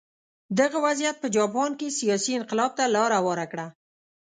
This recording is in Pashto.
دغه وضعیت په جاپان کې سیاسي انقلاب ته لار هواره کړه.